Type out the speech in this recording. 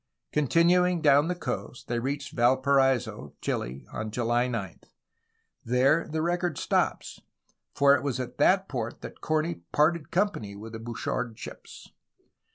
Continuing down the coast they reached Valparaiso, Chile, on July 9. There the record stops, for it was at that port that Corney parted company with the Bouchard ships.